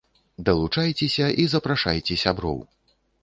Далучайцеся і запрашайце сяброў!